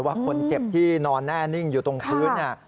ว่าคนเจ็บที่นอนแน่นิ่งอยู่ตรงพื้น